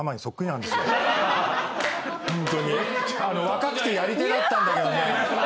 若くてやり手だったんだけどね。